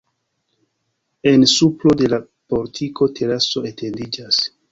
En supro de la portiko teraso etendiĝas.